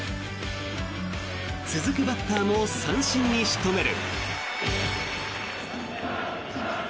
続くバッターも三振に仕留める。